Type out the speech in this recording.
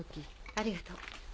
ありがとう。